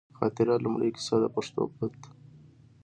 خاطره، لومړۍ کیسه ، د پښتو پت